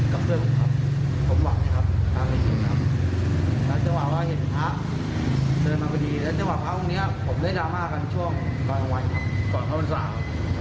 แล้วก็มาเจอใส่ชุดตีวอร์ดเมื่อวันที่๑๘เดินขอเงินให้ไปส่งสวัสดิ์นะครับ